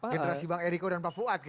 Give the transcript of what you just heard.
generasi bang eriko dan pak fuad gitu ya